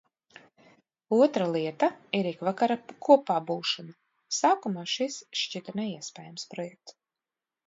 Otra lieta ir ikvakara kopābūšana. Sākumā šis šķita neiespējams projekts.